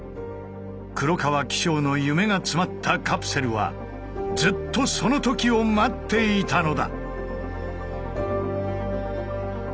黒川紀章の夢が詰まったカプセルはずっとそのときを待っていたのだ。